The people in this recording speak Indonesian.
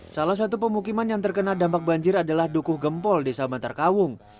salah satu pemukiman yang terkena dampak banjir adalah dukuh gempol desa bantarkawung